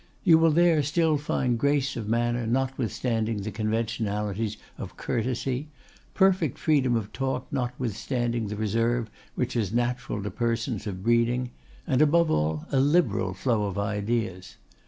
You will there still find grace of manner notwithstanding the conventionalities of courtesy, perfect freedom of talk notwithstanding the reserve which is natural to persons of breeding, and, above all, a liberal flow of ideas.